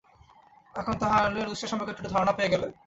এখন তাহলে রুস্টার সম্পর্কে একটু-আধটু ধারণা পেয়ে গেলে।